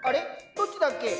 どっちだっけ？